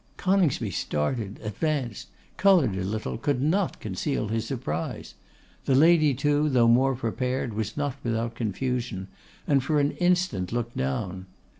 Coningsby started, advanced, coloured a little, could not conceal his surprise. The lady, too, though more prepared, was not without confusion, and for an instant looked down.